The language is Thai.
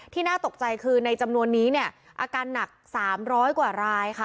น่าตกใจคือในจำนวนนี้เนี่ยอาการหนัก๓๐๐กว่ารายค่ะ